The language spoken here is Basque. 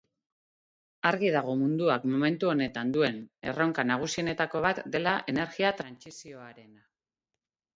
Argi dago munduak momentu honetan duen erronka nagusienetako bat dela energia trantsizioarena.